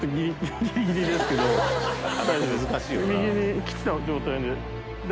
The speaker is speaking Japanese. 右に切った状態で。